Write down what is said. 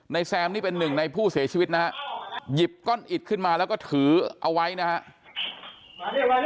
แซมนี่เป็นหนึ่งในผู้เสียชีวิตนะฮะหยิบก้อนอิดขึ้นมาแล้วก็ถือเอาไว้นะครับ